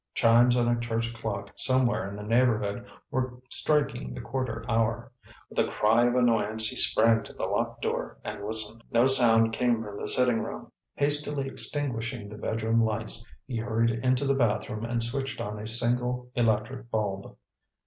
Chimes on a church clock somewhere in the neighborhood were striking the quarter hour. With a cry of annoyance, he sprang to the locked door and listened. No sound came from the sitting room. Hastily extinguishing the bedroom lights, he hurried into the bathroom and switched on a single electric bulb.